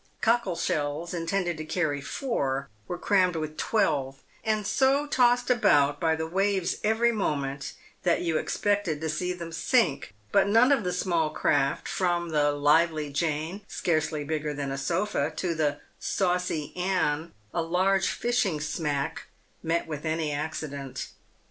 Cockle shells intended to carry four were crammed with twelve, and so tossed about by the waves every moment, that you expected to see them sink : but none of the small craft, from the " Lively Jane," scarcely bigger than a sofa, to the " Saucy Ann," a large fishing smack, met with any accident.